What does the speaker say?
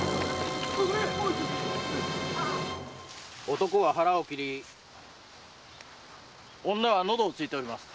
男は腹を切り女はのどを突いております。